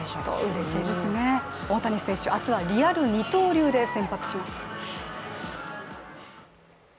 うれしいですね、大谷選手明日はリアル二刀流で先発します。